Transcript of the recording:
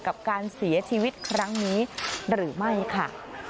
กับการเสียชีวิตครั้งนี้หรือไม่ค่ะ